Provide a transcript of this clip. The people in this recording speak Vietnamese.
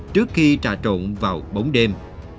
trước khi trà trộn vào bóng đêm